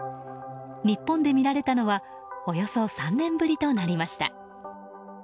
日本で見られたのはおよそ３年ぶりとなりました。